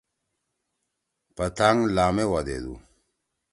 پتانگ لامے وا دیدُو۔